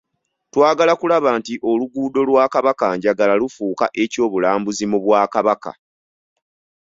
Twagala kulaba nti oluguudo lwa Kabakanjagala lufuuka eky'obulambuzi mu Bwakabaka.